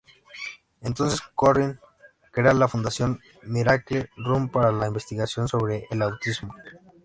Entonces Corrine crea la Fundación Miracle Run para la investigación sobre el autismo.